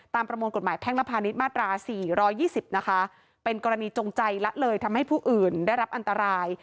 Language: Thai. ประมวลกฎหมายแพ่งและพาณิชย์มาตรา๔๒๐นะคะเป็นกรณีจงใจละเลยทำให้ผู้อื่นได้รับอันตราย